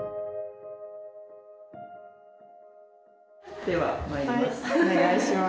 ではまいります。